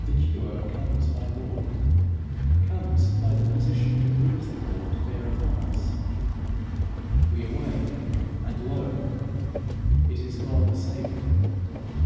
The cure comes by law, comes by the physician who brings the law to bear upon us; we awake, and lo! I it is God the Saviour.